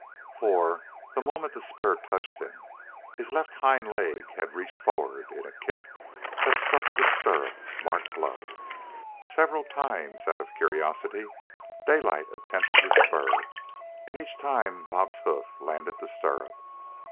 For, the moment the spur touched him, his left hind leg had reached forward in a kick that struck the stirrup a smart blow. Several times, out of curiosity, Daylight attempted the spur, and each time Bob's hoof landed the stirrup.